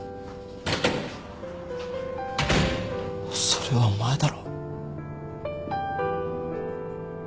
それはお前だろ。